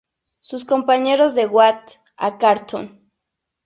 Sus compañeros de "What a Cartoon!